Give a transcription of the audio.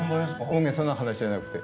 大げさな話じゃなくて。